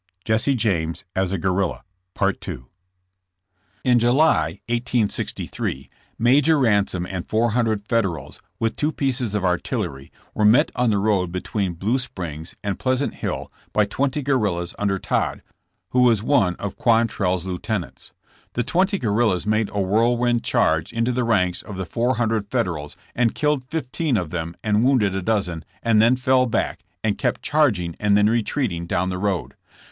Jesse James was in all of these combats. In July, 1863, Major Ransom and four hundred Federals, with two pieces of artillery, were met on the road between Blue Springs and Pleasant Hill by twenty guerrillas under Todd, who was one of Quantrell's lieutenants. The twenty guerrillas made a whirlwind charge into the ranks of the four hundred Federals and killed fifteen of them and wounded a dozen, and then fell back, and kept 42 JBSSB JAMES. charging and then retreating down the road.